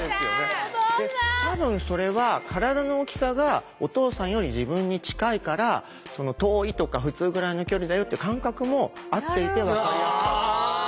多分それは体の大きさがお父さんより自分に近いから遠いとか普通ぐらいの距離だよっていう感覚も合っていてわかりやすかった。